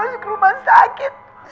bapak mau operasi lagi ma